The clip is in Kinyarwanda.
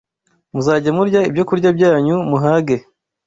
muzajya murya ibyokurya byanyu muhage